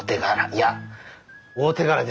いや大手柄です。